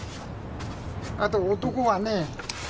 あと男はね